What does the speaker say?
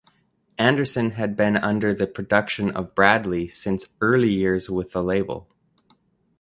Anderson had been under the production of Bradley since early years with the label.